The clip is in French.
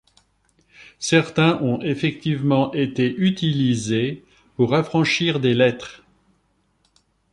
Certains ont effectivement été utilisés pour affranchir des lettres.